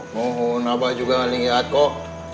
mohon abah juga lihat kok